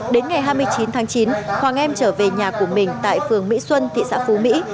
đến ngày hai mươi chín tháng chín hoàng em trở về nhà của mình tại phường mỹ xuân thị xã phú mỹ